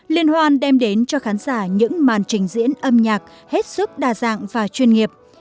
liên hoan đem đến cho khán giả những màn trình diễn âm nhạc hết sức đa dạng và chuyên nghiệp